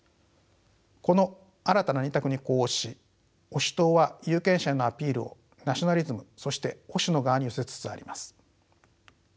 この新たな２択に呼応し保守党は有権者へのアピールをナショナリズムそして保守の側に寄せつつあります。